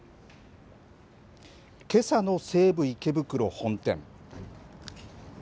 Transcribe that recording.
けさの西武池袋本店。